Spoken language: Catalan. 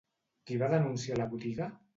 Qui va denunciar la botiga?